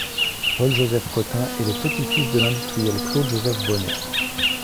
Paul Joseph Cottin est le petit‑fils de l’industriel Claude-Joseph Bonnet.